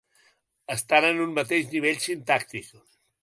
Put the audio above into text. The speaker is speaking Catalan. Estan en un mateix nivell sintàctic.